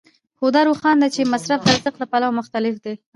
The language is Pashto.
خو دا روښانه ده چې مصرف د ارزښت له پلوه مختلف دی